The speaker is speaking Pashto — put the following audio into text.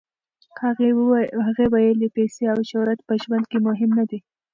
هغې ویلي، پیسې او شهرت په ژوند کې مهم نه دي.